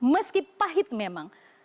meski pahit memang